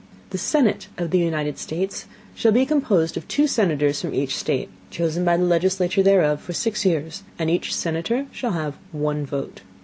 The Senate of the United States shall be composed of two Senators from each State, chosen by the legislature thereof, for six Years; and each Senator shall have one Vote.